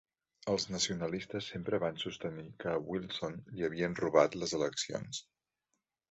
Els nacionalistes sempre van sostenir que a Wilson li havien robat les eleccions.